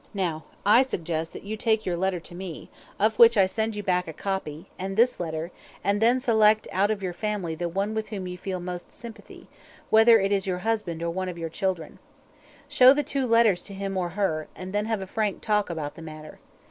Now, I suggest that you take your letter to me, of which I send you back a copy, and this letter, and then select out of your family the one with whom you feel most sympathy, whether it is your husband or one of your children. Show the two letters to him or her, and then have a frank talk about the matter.